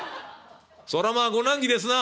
そらまあご難儀ですな」。